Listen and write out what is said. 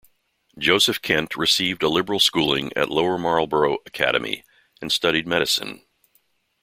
Joseph Kent received a liberal schooling at Lower Marlboro Academy, and studied medicine.